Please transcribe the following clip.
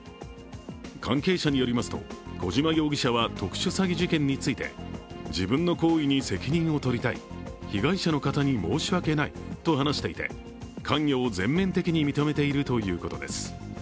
関係者によりますと小島容疑者は特殊詐欺事件について自分の行為に責任を取りたい、被害者の方に申し訳ないと話していて関与を全面的に認めているということです。